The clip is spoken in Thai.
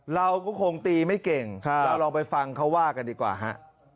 เราก็คงตีไม่เก่งเราลองไปฟังเขาว่ากันดีกว่าฮะ